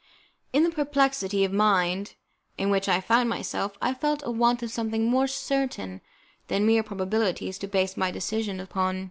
In the perplexity of mind in which I found myself, I felt a want of something more certain than mere probabilities to base my decision upon.